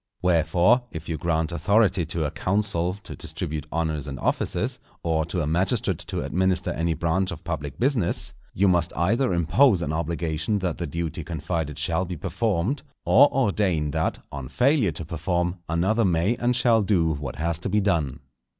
Wherefore, if you grant authority to a council to distribute honours and offices, or to a magistrate to administer any branch of public business, you must either impose an obligation that the duty confided shall be performed, or ordain that, on failure to perform, another may and shall do what has to be done.